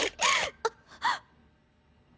あっ。